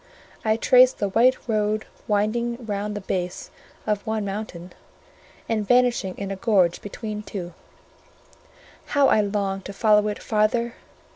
I traced the white road winding round the base of one mountain, and vanishing in a gorge between two; how I longed to follow it farther!